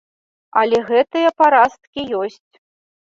Але гэтыя парасткі ёсць.